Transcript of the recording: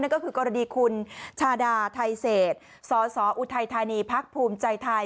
ก็คือกรณีคุณชาดาไทเศษสสออุทัยธานีพักภูมิใจไทย